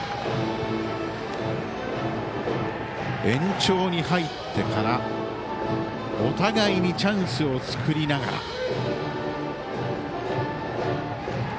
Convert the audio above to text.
延長に入ってからお互いにチャンスを作りながら。